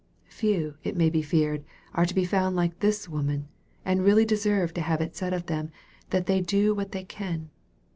Few, it may be feared, are to be found like this woman, and really deserve to have it said of fehem, that they " do what they can."